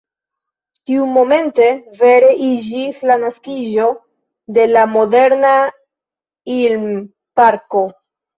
Tiumomente vere iĝis la naskiĝo de la moderna Ilm-parko.